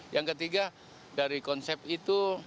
yang ketiga dari konsep itu